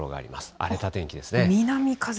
荒れた天気ですね。